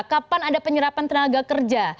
kapan ada penyerapan tenaga kerja